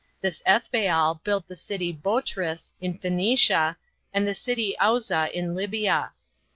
This Ethbaal built the city Botrys in Phoenicia, and the city Auza in Libya."